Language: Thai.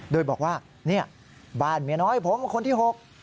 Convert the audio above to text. โดยบอกว่าบ้านเมียน้อยผมเป็นคนที่๖